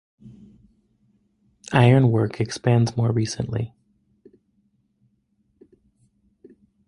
Ironwork expands more recently.